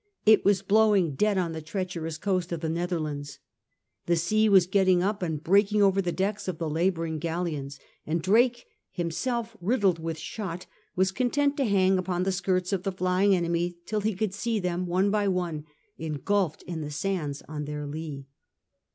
It was blowing dead on the treacherous coast of the Netherlands : the sea was getting up and breaking over the decks of the labouring galleons ; and Drake, himself riddled with shot, was content to hang upon the skirts of the flying enemy till he should see them, one by one, engulfed in the sands on their lee.